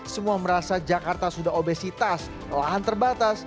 semua merasa jakarta sudah obesitas lahan terbatas